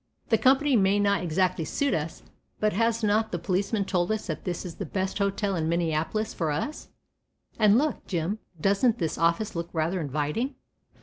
The company may not exactly suit us, but has not the policeman told us that this is the best hotel in Minneapolis for us, and look, Jim, doesn't this office look rather inviting?"